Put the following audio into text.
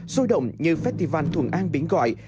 sôi động như festival thuận an biển gọi